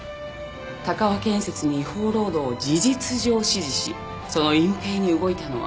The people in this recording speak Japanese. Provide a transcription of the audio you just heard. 鷹和建設に違法労働を事実上指示しその隠蔽に動いたのは。